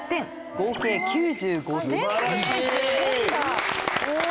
合計９５点です。